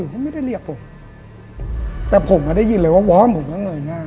จะไม่ได้เรียกเราเลย